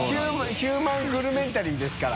ヒューマングルメンタリー」ですから。